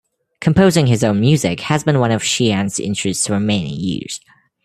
Composing his own music has been one of Sheahan's interests for many years.